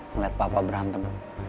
ngeliat papa berantem